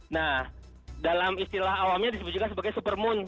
nah dalam istilah awamnya disebut juga sebagai super moon